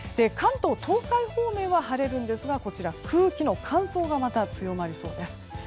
関東・東海方面は晴れるんですが空気の乾燥がまた強まりそうです。